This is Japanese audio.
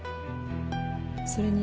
それに。